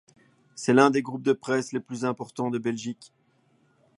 C'est l'un des groupes de presse les plus importants de Belgique.